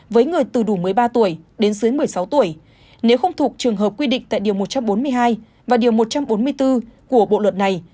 với người từ đủ một mươi ba tuổi đến dưới một mươi sáu tuổi nếu không thuộc trường hợp quy định tại điều một trăm bốn mươi hai và điều một trăm bốn mươi bốn của bộ luật này